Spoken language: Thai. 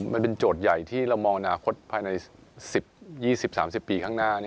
โจทย์ใหญ่ที่เรามองอนาคตภายใน๑๐๒๐๓๐ปีข้างหน้า